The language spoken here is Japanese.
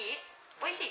おいしい。